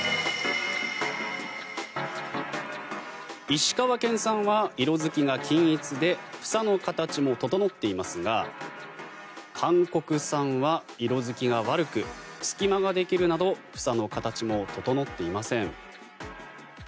石川県産は色付きが均一で房の形も整っていますが韓国産は色付きが悪く隙間ができるなど房の形も整っていません。